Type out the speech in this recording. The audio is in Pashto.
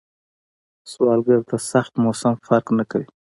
سوالګر ته سخت موسم فرق نه کوي